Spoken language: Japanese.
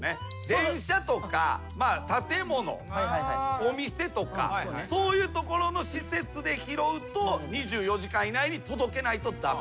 電車とか建物お店とかそういうところの施設で拾うと２４時間以内に届けないと駄目。